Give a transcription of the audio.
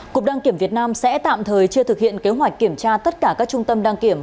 cục đăng kiểm việt nam sẽ tạm thời chưa thực hiện kế hoạch kiểm tra tất cả các trung tâm đăng kiểm